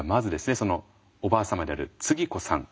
そのおばあ様であるつぎ子さんがですね